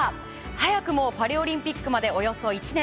早くもパリオリンピックまでおよそ１年。